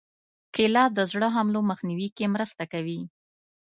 کېله د زړه حملو مخنیوي کې مرسته کوي.